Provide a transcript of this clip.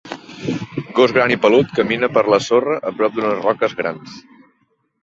Gos gran i pelut camina per la sorra a prop d'unes roques grans.